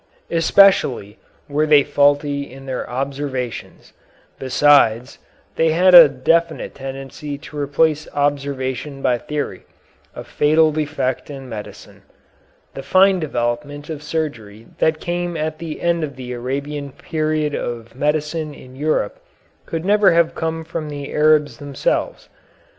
Especially were they faulty in their observations; besides, they had a definite tendency to replace observation by theory, a fatal defect in medicine. The fine development of surgery that came at the end of the Arabian period of medicine in Europe could never have come from the Arabs themselves.